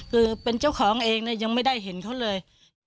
คือเป็นเจ้าของเองยังไม่ได้เห็นเขาเลย